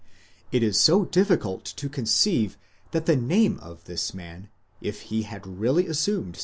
It is so difficult to conceive that the name of this man, if he had really assumed.